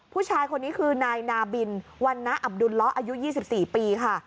ผู้ชายคนนี้คือนายนาบินวันนะอับดุลล้ออายุ๒๔ปีค่ะ